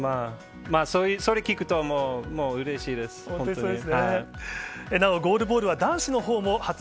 それ聞くと、もううれしいです。